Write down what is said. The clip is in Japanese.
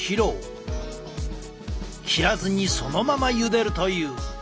切らずにそのままゆでるという。